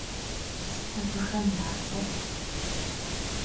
Sıt abıxem ya ts'er?